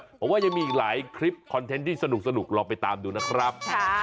เพราะว่ายังมีอีกหลายคลิปคอนเทนต์ที่สนุกลองไปตามดูนะครับ